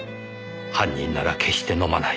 犯人なら決して飲まない。